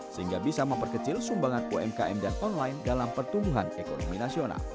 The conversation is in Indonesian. sehingga bisa memperkecil sumbangan umkm dan online dalam pertumbuhan ekonomi nasional